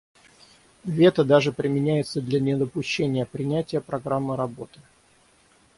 Вето даже применяется для недопущения принятия программы работы.